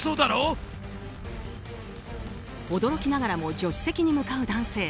驚きながらも助手席に向かう男性。